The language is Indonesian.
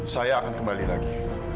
saya akan kembali lagi